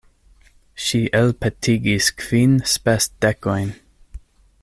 Ŝi elpetegis kvin spesdekojn.